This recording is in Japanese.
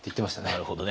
なるほどね。